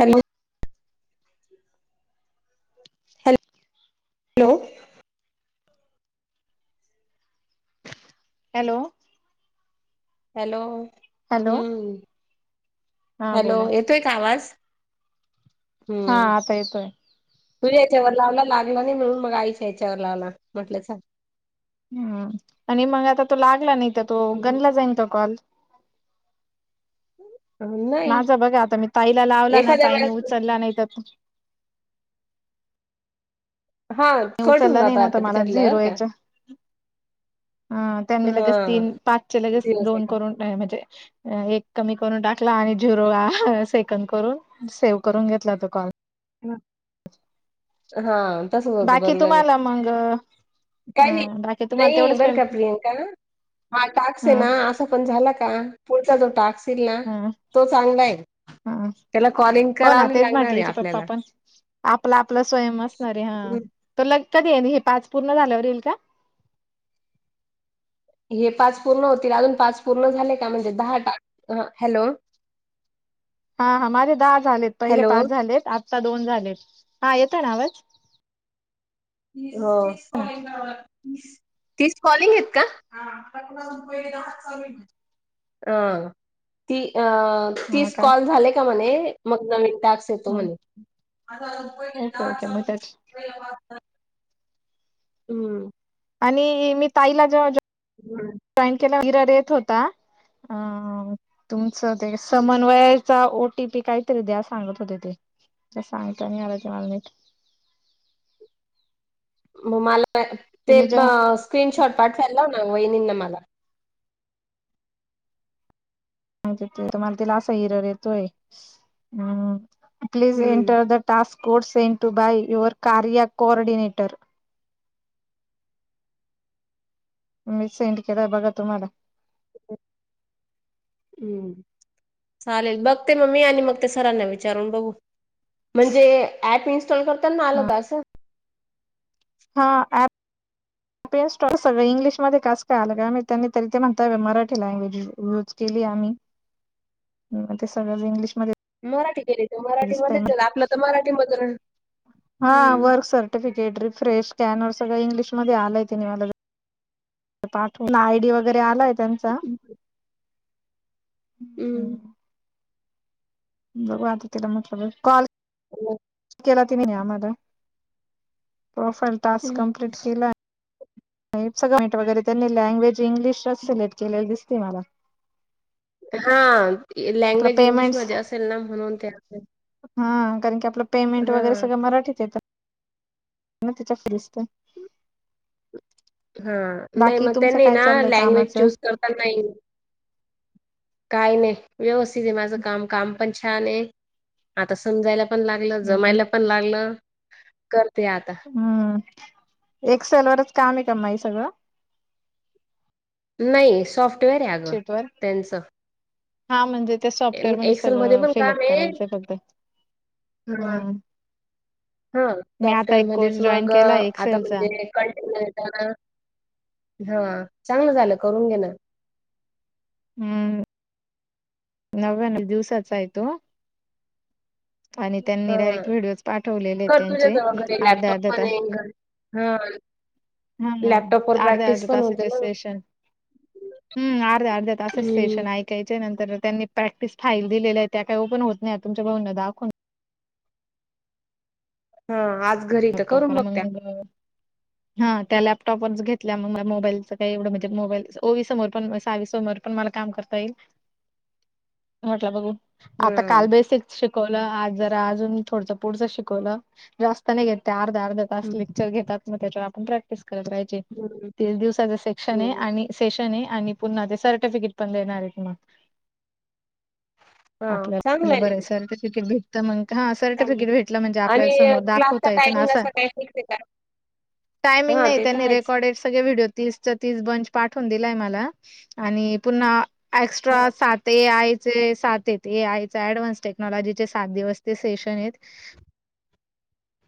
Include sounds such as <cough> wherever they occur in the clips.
Hello hello hello hello hello हम्म हा hello बोला तो एक आवाज हा हम् आता येतोय तुझ याच्यावर लावला लागला नाही मिळून मग आईच्या याच्यावर लावला म्हटलं चांग हम्म आणि मग आता तो लागला नाही तर तो गणला जाईन त कॉल नाही माझा बघा आता मी ताईला लावला ना एखाद्या ताईने वेळेस उचलला नाही तर हा कट होऊन उचलला नाही जात ना तर वाटत मला त्याच्यातलं बर झिरो का याच्या ह त्यांनी लगेच हा तीन पाचचे लगेच दिवस आहे दोन करून म्हणजे एक कमी करून टाकला आणि जुरोळा सेकंद करून सेव्ह करून घेतला तो कॉल हा तसच होतं बाकी बरोबर आहे तुम्हाला मग काय नाही बाकी तुम्हाला नाही तेवढंच बरं का पेमेंट प्रियांका हा ह टाकसे ना पण झाला का पुढचा जो टाकशील ना तो चांगला आहे हा त्याला कॉलिंग हो कराव ना नाही तेच लागणार म्हटले आहे याचे पप्पा आपल्याला पण आपला आपला स्वयम असणारे हा तर लग कधी आहे हे पाच पूर्ण झाल्यावर येईल का हे पाच पूर्ण होतील अजून पाच पूर्ण झाले का म्हणजे दहा हॅलो हा हा माझे दहा झालेत पहिले हॅलो पाच झालेत आत्ता दोन झालेत हा येतं ना आवाज हो तीच कॉलिंग आहेत काचा अ त ती हा काय कॉल झाले का म्हणे मग नवीन ट ेतो ह म्हणे ओके ओके मग त्या हम्म आणि मी ताईला जेव्हा हम् जॉईन केल्या विरार येत होता अ तुमचं ते समन्वयाचा ओ टीपी काही तरी द्या सांगत होते ते त्या सांगता नाही आला ते मला मी मग मला ते तिने जेव्हा स्क्रीनशॉट पाठवायला लाव ना वहिणींना मला मा ते तुम्हाला तिला असा हिरर येतोय अ प्लीज हम्म enter the task force sent to by your कार्य कोऑर्डनेटर मीस इंट के बघत मडला हम्म चालेल बघ ते मग मी आणि मग ते सरांना विचारून बघू म्हणजे ऍप इनस्टॉल करतात ना आला द अस हा <unintelligible> प्ले स्टोअर सगळ इंग्िशमध्ये कास काय आलं त्यांनी तरी ते म्हणता मराठी लँग्वेज युज केली आम्ही <unintelligible> ग ते सगळं इंग्लिशमध्ये मराठी केली ते दिसतय मराठीमध्येच आपलं तर मराठीमध्ये हम् सफिकेट र फेश स्कॅनर सग इंगलिश मध्ये आलाये मला पाठव आयडी वगैरे आलाय त्यांचा हम् बघू आता तिला म्हटलं कॉल हो केला ति आम्हाला प्रोफाईल टास्क कमप्लीट केला <unintelligible> वगैरे त्यांनी लँग्वेज इंग्लिशच सिलेक्ट केलेली दिसते मला हा आपलं लँग्वेज इंग्लिश पेमेंट्स मध्ये असेल ना म्हणून ते हा कारण की आपलं पेमेंट वगैरे हां, सगळं मराठीत येतं <unintelligible> हा नाही बाकी मग तुमचं त्यांनी काय ना चाललंय लँग्वेज कामाचं चूज करत नाही. काय नाही व्यवस्थित आहे माझं काम काम पण छान आहे आता समजायला पण लागलं हम्म जमायला पण लागलं करते आता. हम एक्सेल वरच काम आहे का सगळं. नाही सॉफ्टवेअर आहे गं शीट वर त्यांचं. हा म्हणजे. त्या एम सॉफ्टवेअर मध्ये एक्सेलमध्ये सगळं पण फिलअप काम आहे करायचंय फक्त हां, हम्. हां. मी आता एक कोर्स जॉईन केलाय एक्सेलचा. हा चांगलं झालं करून घेण. हम्म नव्याणवी दिवसाच आहे तो. आणि त्यांनी हम डायरेक्ट व्हिडिओज पाठवलेले आहेत कर तुझ्या त्यांचे जव घरी अर्ध्या लॅपटॉप अर्ध्या पण ये घर. हा. हम् अर्ध अर्ध होते तसाच्या ना. सेशन. हम् अर्ध अर्ध अस हम्म. सेशनय आहे. ्यायच्या नंतर त्यांनी प्रॅक्टिस फाईल दिलेल्या आहे त्या काहीओ पण होत नाही तुमच्या भाऊंना दा हा आज घरी तर करून बघ त्या. हा त्याला. टॉपर्स घेतल्या मग मोबाईलचं काही एवढं म्हणजे मोबाईल ओवी समर पण सावी समोर पण मला काम करता येईल. <inaudible> होटला बघू. आता हम्म. काल बेसिक शिकवलं आज जरा अजून थोडं पुढचं शिकवलं जास्त. नाही घेते अर्धा अर्ा तास हम्म. लेक्चर घेतात मग त्यावर आपण प्रॅक्टिस कराय. हम्म तीस दिवसाच सेक्शन आहे हम्म आणि सेशन आहे आणि पुन्हा ते सर्टिफिकेट पण देणार आहे मग. हा चांगलं आपल्याला बरं आहे ना सर्टिफिकेट भेट. तर मग हा चांगल सर्टिफिकेट भेटला म्हणजे आपल्या आणि समोर दाखवता क्लासचा येते ना टायमिंग असा. काही फिक्स आहे का? टामि हा नाही ते त्या तर आहेच. रेकॉर्डेड सगळे व्हिओ- तीस च तीस बंच पाठवून दिलाय मला आणि पुन्हा. एक्स्ट्रा हा सात ए आयचे सात, आय ऍडव्हान्स टेक्नॉलॉजी चे सात दिवस ते सेशन आहेत.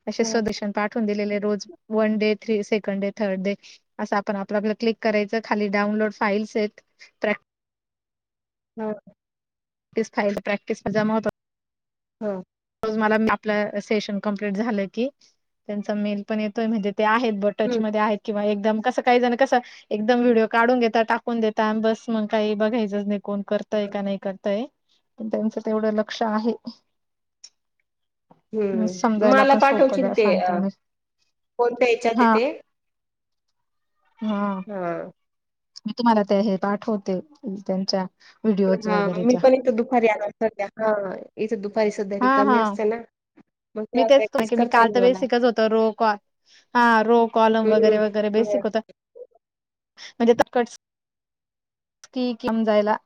असे हा स्दूशण पाठवून दिलेले रोज one day the second day third day. असं आपण आपल्या आप क्लिक करायचं खाली डाऊनलोड फाईल्स आहेत प्रॅक्, हो. तेच फाईल प्रॅक्टिस जमा होत हम् रज मला आपलं सेशन कंप्लीट झालं की त्यांचा मेल पण येतोय म्हणजे ते आहेत बट टच हम्म. मध्ये आहेत किंवा एकदम कसं काही जण कस. एकदम व्हिडिओ काढून घेता टाकून देता बस मग काही बघायचंच नाही. कोण करताय का नाही करताय पण त्यांचं तेवढं लक्ष आहे. हम्म समजायला मला पण सोपं पाठवशील जा ते अ, सांगता मी कोणत्या याच्यात आहे हा. ते हा. हा. मी तुम्हाला ते हे पाठवते त्यांच्या. व्हिडिओज हा मी वगैरेच्या पण इथं दुपारी आला सध्या हा इथे दुपारी सध्या हा रिकमी हा असते ना. मग मी तेव्हा तेचत प्रॅक्टिस की मी करता काल येईल तर मला बेसिक कच होतं रो का. हा रो कॉलम वगैरे वगैरे हम्म. बेसिक होत. म्हणजे त कट कि किम समजायला.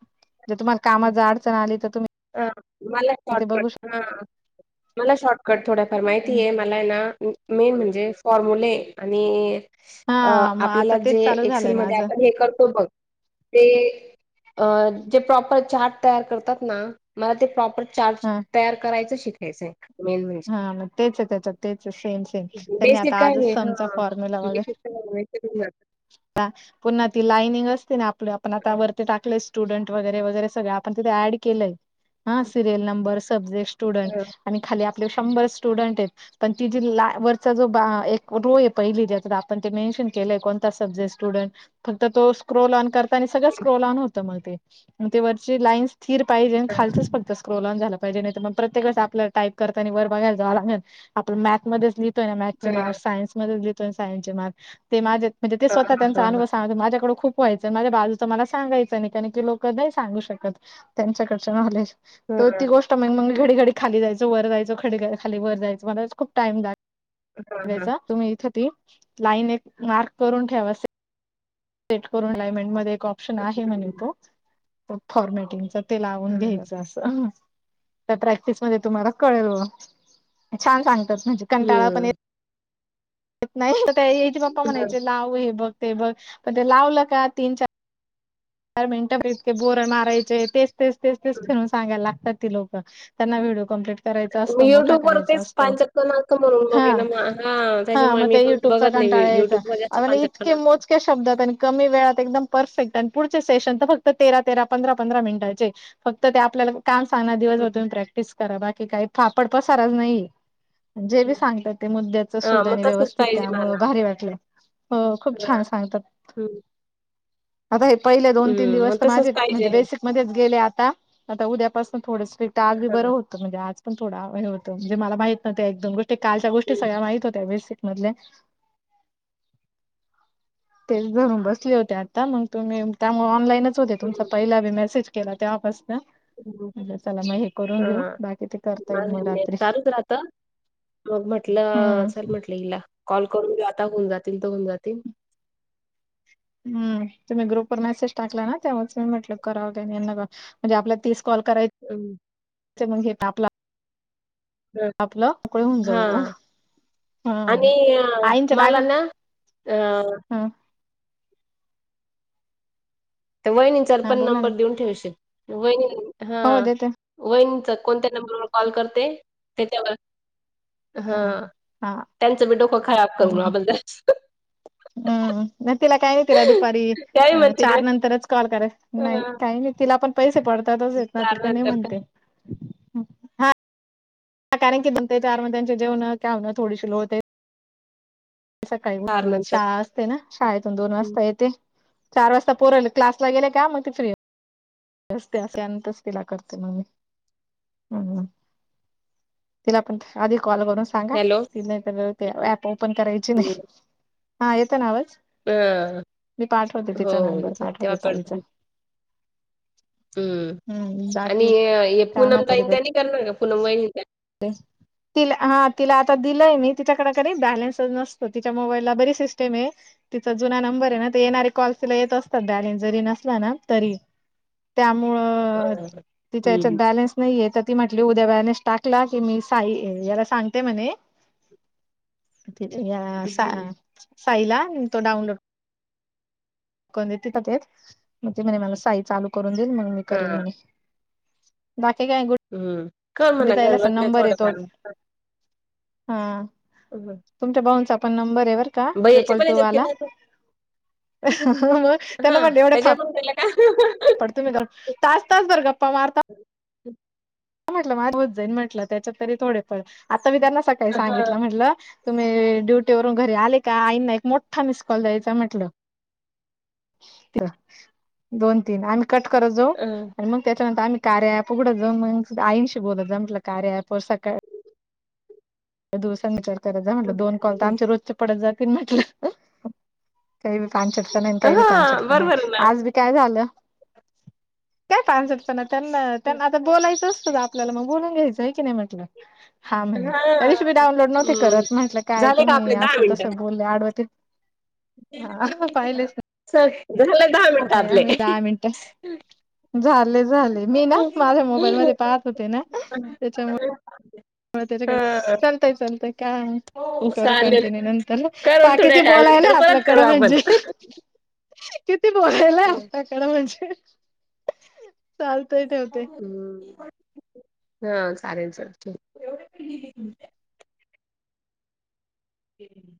जर तुम्हाला काम अडचण आली तर तुम्ही. मला ते बघू शॉर्टकट हा मला शॉर्टकट थोडफार शकता माहिती आहे. आपल्याला मेन म्हणजे फॉर्मुले आणि- अ हा मग आता आपल्याला जे तेच चालू झालंय एक्सेलमध्येध्ये माझं. आपण हे करतो बघ ते अ जे प्रॉपर चार्ट तयार करतात ना मला ते प्रॉपर चार्ज हा तयार करायचं शिकायचंय मेन म्हणजे हा मग तेच आहे त्याच्यात तेच सेम सेम त्यांनी बेसिक आता काय आजच ये समचा हा फॉर्म्युला वगैरे बेसिक काय ते पुन्हा ती लाईनिंग असते ना आपल आपण आता वरती टाकल ये स्टुडंट वगैरे वगैरे सगळ आपण तिथे ऍड केलंय हा सिरियल नंबर सब्जेक्ट स्टुडंट हां, आणि खाली आपले शंभर स्टुडंट येत पण ति जी ला वरचा जो बा एक रो ये पहिली ज्यात आपण ते मेनशन केलंय कोणता सब्जेक्ट स्टुडंट फक्त तो स्क्रोल ऑन कर सगळं स्क्रल न होत मग तेग ते वरची लाईन् स्थिर पाहिजे आणि खालच फक्त ्रोल ऑन झाला पाहिजे नाही तर प्रत्येक आपल्या टाईप करताना वर बघाय जावं लागणार जा आप मॅथ ो मथसचे हां, मार्क सायनस मच देतोय सायन्सचे मार्क ते माझे म्हणे ते हां, स्वतः हां, हां, त्यांचा हां, हां, अनुभव सांगत माझ्याकडे खूप व्हायचंय माझ बाजूच मला सांगायचं नाही कारण की लोक नाही सांगू शकत त्यांच्याकडचे नॉलेज हां, तर हां, ती गोष्ट मग मग घडी घडी खाली जायचं वर जायचं ख खाली वर जायचं मला खूप टाइम लाग हां, हां, तुम्ही इथे ती लाईन एक मार्क करून ठेवा सेट करून लायमेंट मध्ये एक ऑप्शन आहे म्हणे तो फॉर्मॅटिंगचा ते लावून हां, हां, घ्यायचं अस त्या प्रॅक्टिस मध्ये तुम्हाला कळेल ब छान सांगतात म्हणजे कंटाळा पनीर नाही ताई इच पप्पा हां, हां. म्हणायचे लावू हे बघ ते बघ पण ते लावलं का तीन चार च मिनटं प इतके बोर मारायचे तेच तेच तेच तेच फिरून सांग्याला लागतात ती लोक त्यांना व्हिडिओ कंप्लीट करायचा मी असतो मोठा युट्यूब वर करायचा तेच असतो पांचट क्रमांक म्हणून हा बघेन मग हा हा त्याच्यामुळे मग मी त्या पण यू ्यूट्यूब चा बघत नाही कंटाळा युट्यूब वर जास्त यायचा पांचट इतके क्रमांक. मोजक्या शब्दात आणि कमी वेळात एकदम परफेक्ट आणि पुढचे सेशन तर फक्त तेरा तेरा पंधरा पंधरा मिनिटाचे फक्त ते आपल्याला काम सांगणार दिवसभर हं. तुम्ही प्रॅक्टिस करा बाकी काही फापड पसारच नाही जे बी सांगतात ते मुद्द्याच हां सुोध मग आणि तसंच व्यवस्थित पाहिजे त्यामुळं मला. भारी वाटले हो खूप छान सांगतात हम् आता हे पहिले दोन तीन मग दिवस तर तसंच माझे पाहिजे. म्हणजे बेसिक मध्येच गेले आता आता उद्यापासून थोडं स्ट्रिक्ट आधी हां. बरं होत म्हणजेज आज पण थोडा हे होतं म्हणजे मला माहीत नव्हत्या एकदम गोष्टी कालच्या गोष्टी हं. सगळ्या माहित होत्या बेसिक मधले तेचधरून बसले होते आता मग तुम्ही त्यामुळे ऑनलाईनच होते तुमचा हं. पहिला बी मेसेज केला तेवा पासन हं. म्हणे चला मग हे करून घेऊ हां. बाकी ते करता येईल मग माझं नेट रात्री. चालूच राहतं. हम्म. आप हिला कॉल करून आता होऊन जातील तर होऊन जातील. हम् तुम्ही ग्रुप वर मेसेज टाकला ना तेव्हाच मी म्हटलं करावंगना. म्हणजे आपला तस कॉल करायच. हम. हां. होऊन जाऊ. हां आणि हम् अ, आईनच्या मला टाका ना अ हम्. तर वहिणी चा हा पन बोला ना नंबर देऊन ठेवशील वहिणी हा. हो देते वहिनींचा कोणत्या नंबरवर कॉल करते त्याच्यावर. हा हा त्यांचं मी डोकं खराब करून हम्म आपण ज. हम्म नाही तिला काही नाही तिला दुपारी त्याही म्हणतील चार नंतरच कॉल कराय नाही हां, का. तिला पण पैसे पडतातच येत ना तिक नाही नंतर का म्हणते. हा कारण की दोन ते चार नंतरची जेवण का हों थोडीशी लो होते. नंतर सकाळी. ना शाळेतून दोन हं. वाजता येते चार वाजता पोरवले क्लासला गेले का मग ती फ्री. त्यानंतरच तिला करते मग मी. तिला पण आधी कॉल करून. सांगा हॅलो त नाही तर ऍप ओपन करायची नाही हं, हा येत ना आवाज. हां. मी पाठवते हो, तिचा हो नंबर येतोय पाठवते तेव्हा ताईचा. हम्म हम्म आणि बाकी हे का पूनम ताई त्यानी करणार का पूनम वहिनी त्या. ते. तिला हा तिला आता दिलंय मी तिच्याकडे कधी बॅलन्स नसतो तिच्या मोबाईलला बरी सिस्टम आहे. तिचा जुना नंबर आहे ना ते येणारे कॉलस तिला येत असतात दने जरी नसला ना तरी. त्यामुळ हां, हां. तिच्या याच्यात बॅलेन्स नाहीय तर ती म्हंटली उद्या बॅलेन्स टाक. टाकला की मी साई याला सांगते म्हणे. हं, हं. साईला तो डाउनलोड. तिथेत मग ते म्हणे मला साई चालू करून देईल मग मी करेल हां, म्हणे. बाकी काय. हम्म कर गुड्डी ताईला म्हणावं नंबर आहे तो थोडंफार घरबसल्या. हा. ह. तुमच्या भाऊंचा पण नंबर येवर का ट्रिपल पण टू ह्याच्यात वाला. केला होता? मग त्यांना हां. म्हण एवढे फ त्याच्यावरून त्याला काय पडतो मी तर. तास तास वर गप्पा मारता. म्हटलं माझ होत जाईन म्हटलं त्याच्यात तरी थोडेफळ आता मी त्यांना सकाळी हां, हां. सांगितलं म्हटलं. तुम्ही ड्युटीवरून घरी आले का आईंना एक मोठा मिस कॉल द्यायचा म्हटलं दोन तीन आम्ही कट करत जाऊ आणि मग त्याच्यानंतर आम्ही कार्या ॲप उघडत जाऊ. आयनशी बोत जमटला कार्या आहे पोर स. दिवसां विचार कराय जा म्हटलं दोन कॉल तर आमच्या रोजचे पडत जा की म्हटलं काही. पास नाही काही बी पासट हां, नाही बरोबर आहे ना. आज बी काय झालं. काय पांचट पणा त्यांना त्यांना आता बोलायचं असतं का आपल्याला मग बोलून घ्यायचं आहे की नाही म्हटलं हा म्हणे तरीच हां, मी डाउनलोड नव्हते हं. करत म्हटलं काय झाले का तुम्ही आपले असं मिनिटं? तसं बोल. हा. स झाला दहा मिनटं नाही आपले. आम्ही दहा मिनिटं झाले झाले मी ना माझ्या मोबाईल मध्ये पाहत होते ना त्याच्यामुळे. हां, चालते चालते. करू चालेल. कंटिन्यू नंतर करू बा थोड्या किती वेळानंतर बोलायला परत करू आपल्याकडें आपण. म्हणजे. किती बोलायला हं, आपताकड म्हणजे चालतय ते. हा चालेल. ह